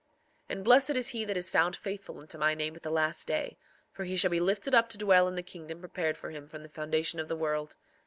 4:19 And blessed is he that is found faithful unto my name at the last day, for he shall be lifted up to dwell in the kingdom prepared for him from the foundation of the world.